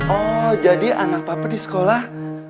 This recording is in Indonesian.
oh jadi anak papa di sekolah